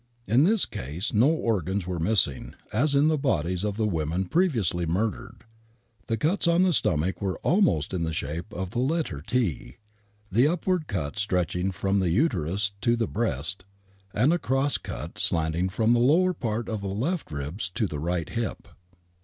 In this case no organs were missing, as in the bodies of the women previously murdered. The cuts on the stomach were almost in the shape of the letter T, the upward cut stretch: ng from the uterus to the breast and the cross cut slanting from the lower part of the left ribs to the right hip.